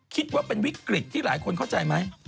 คิดว่าเป็นวิกฤตที่หลายคนเข้าใจไหม